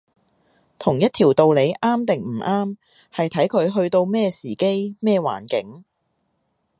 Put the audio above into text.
同一條道理啱定唔啱，係睇佢去到咩時機，咩環境